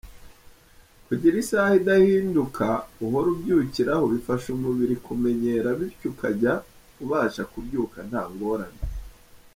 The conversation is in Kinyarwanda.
Kugira isaha idahinduka uhora ubyukiraho bifasha umubiri kumenyera bityo ukajya ubasha kubyuka nta ngorane.